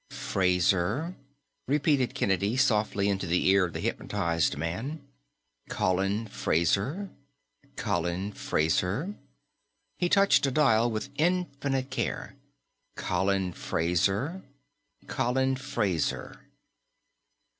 "Fraser," repeated Kennedy softly into the ear of the hypnotized man. "Colin Fraser. Colin Fraser." He touched a dial with infinite care. "Colin Fraser. Colin Fraser."